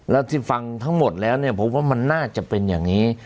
แล้วที่ฟังทั้งหมดแล้วเนี่ยผมว่ามันน่าจะเป็นอย่างนี้